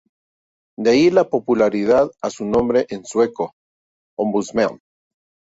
De allí la popularidad a su nombre en sueco "Ombudsman".